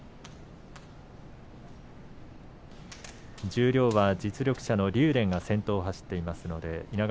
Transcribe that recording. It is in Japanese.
十両は実力者の竜電が先頭を走っています。